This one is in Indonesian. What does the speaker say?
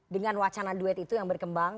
dengan wacana duet itu yang berkembang